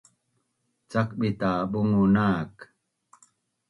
Cakbit ta bungu nak